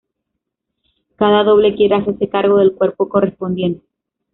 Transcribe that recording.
Cada doble quiere hacerse cargo del cuerpo correspondiente.